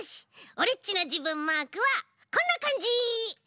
オレっちのじぶんマークはこんなかんじ！